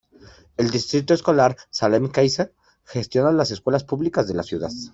El Distrito Escolar de Salem-Keizer gestiona las escuelas públicas de la ciudad.